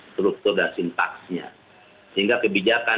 struktur dan sintaksnya sehingga kebijakan